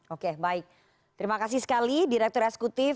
oke baik terima kasih sekali direktur eksekutif